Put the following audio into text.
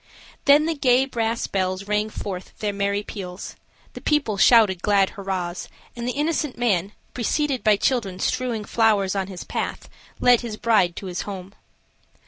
Then the gay brass bells rang forth their merry peals, the people shouted glad hurrahs, and the innocent man, preceded by children strewing flowers on his path, led his bride to his home.